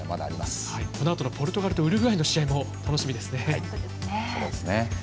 このあとのポルトガルとウルグアイの試合も楽しみですね。